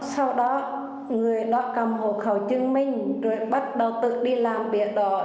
sau đó người đó cầm hộ khẩu chứng minh rồi bắt đầu tự đi làm việc đó